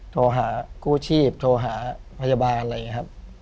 โทรหากู้ชีพโทรหาพยาบาลอะไรอย่างนี้ครับ